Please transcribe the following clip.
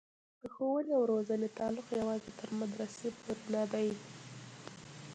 د ښوونې او روزنې تعلق یوازې تر مدرسې پورې نه دی.